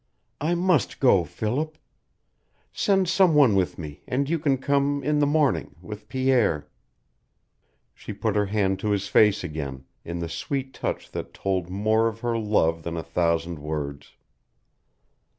"I must go, Philip. Send some one with me, and you can come in the morning with Pierre " She put her hand to his face again, in the sweet touch that told more of her love than a thousand words.